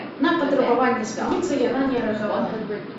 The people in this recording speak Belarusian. На патрабаванне спыніцца яна не рэагавала.